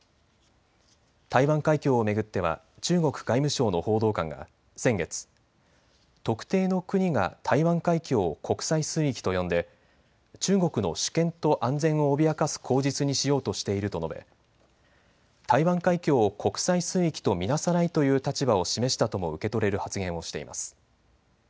台湾海峡を巡っては中国外務省の報道官が先月、特定の国が台湾海峡を国際水域と呼んで中国の主権と安全を脅かす口実にしようとしていると述べ台湾海峡を国際水域と見なさないという立場を示したとも受け取れる発言をしています。